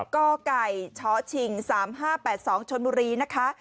กไก่ชชิง๓๕๘๒ชนบุรีนะคะ